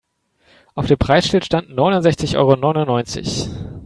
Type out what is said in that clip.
Auf dem Preisschild stand neunundsechzig Euro neunundneunzig.